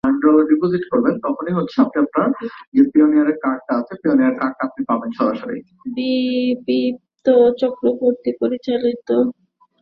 বিদীপ্তা চক্রবর্তী পরিচালিত চলচ্চিত্রটিতে অভিনয় করেন এম এ ওয়াজেদ মিয়া এবং পঞ্চানন নিয়োগী।